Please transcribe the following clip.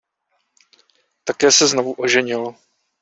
Také se znovu oženil.